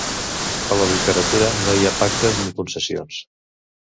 A la literatura no hi ha pactes ni concessions.